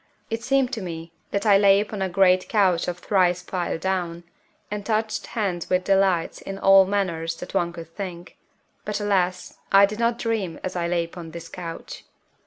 It seemed to me that I lay upon a great couch of thrice piled down, and touched hands with delights in all manners that one could think. But alas! I did not dream as I lay upon this couch.